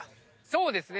そうですね。